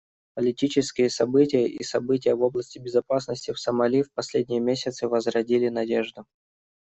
Политические события и события в области безопасности в Сомали в последние месяцы возродили надежду.